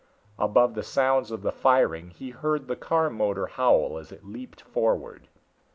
Above the sounds of the firing he heard the car motor howl as it leaped forward.